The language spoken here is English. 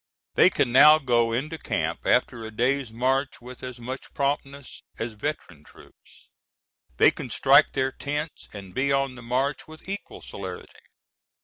They can now go into camp after a day's march with as much promptness as veteran troops; they can strike their tents and be on the march with equal celerity.